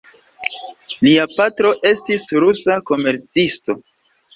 Lia patro estis rusa komercisto.